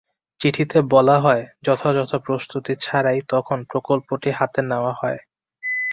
চিঠিতে বলা হয়, যথাযথ প্রস্তুতি ছাড়াই তখন প্রকল্পটি হাতে নেওয়া হয়।